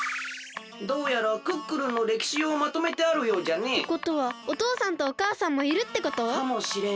どうやらクックルンのれきしをまとめてあるようじゃね。ってことはおとうさんとおかあさんもいるってこと？かもしれんね。